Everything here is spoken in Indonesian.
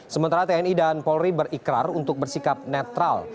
sementara tni dan polri berikrar untuk bersikap netral